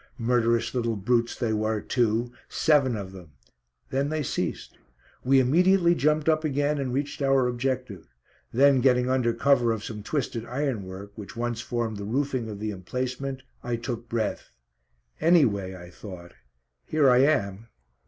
Murderous little brutes they were too. Seven of them. Then they ceased. We immediately jumped up again and reached our objective. Then getting under cover of some twisted ironwork, which once formed the roofing of the emplacement, I took breath. "Anyway," I thought, "here I am."